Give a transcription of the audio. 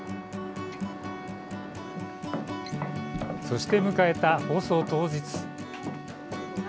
そして迎えた放送当日。